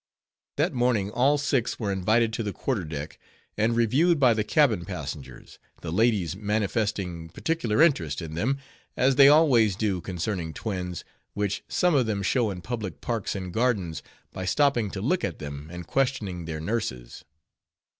That morning all six were invited to the quarter deck, and reviewed by the cabin passengers, the ladies manifesting particular interest in them, as they always do concerning twins, which some of them show in public parks and gardens, by stopping to look at them, and questioning their nurses.